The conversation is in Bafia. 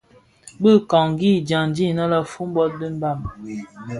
Bi kpagi dyandi innë boumbot dhi Mbam.